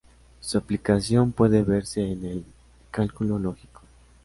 Su aplicación puede verse en el cálculo lógico.